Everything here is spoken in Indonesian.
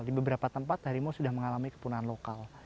di beberapa tempat harimau sudah mengalami kepunahan lokal